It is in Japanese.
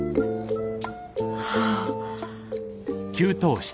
はあ。